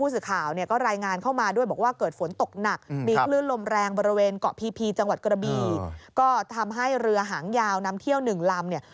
จังหวัดกระบีก็ทำให้เรือหางยาวนำเที่ยว๑ลำ